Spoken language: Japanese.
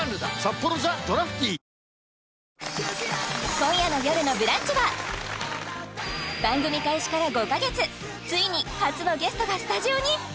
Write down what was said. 今夜の「よるのブランチ」は番組開始から５カ月ついに初のゲストがスタジオに！